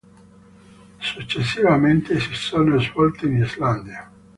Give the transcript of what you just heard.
Successivamente si sono svolte in Islanda.